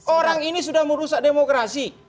orang ini sudah merusak demokrasi